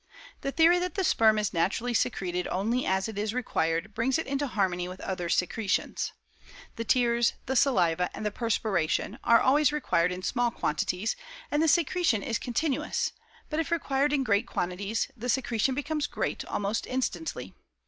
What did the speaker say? The theory that the sperm is naturally secreted only as it is required, brings it into harmony with other secretions. The tears, the saliva, and the perspiration, are always required in small quantities, and the secretion is continuous; but if required in great quantities, the secretion becomes great almost instantly.